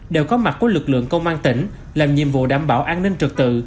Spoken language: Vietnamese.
đều có mặt của lực lượng công an tỉnh làm nhiệm vụ đảm bảo an ninh trật tự